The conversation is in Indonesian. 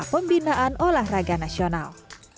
pembinaan olahraga nasional